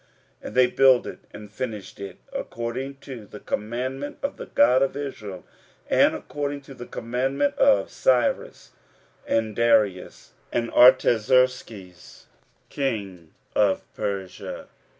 And they builded, and finished it, according to the commandment of the God of Israel, and according to the commandment of Cyrus, and Darius, and Artaxerxes king of Persia.